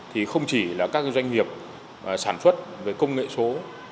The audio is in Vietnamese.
thì không chỉ là các doanh nghiệp sản xuất về công nghệ số